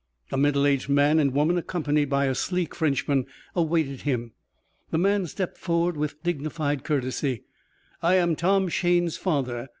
A middle aged man and woman accompanied by a sleek Frenchman awaited him. The man stepped forward with dignified courtesy. "I am Tom Shayne's father.